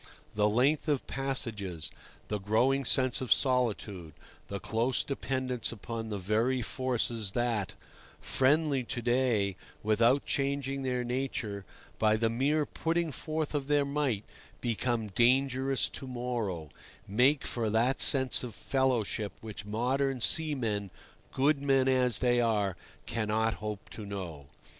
The length of passages, the growing sense of solitude, the close dependence upon the very forces that, friendly to day, without changing their nature, by the mere putting forth of their might, become dangerous to morrow, make for that sense of fellowship which modern seamen, good men as they are, cannot hope to know.